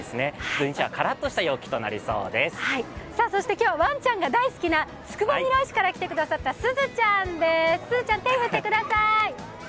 今日、ワンちゃんが大好きなつくばみらい市から来てくださったすずちゃんです、手を振ってください。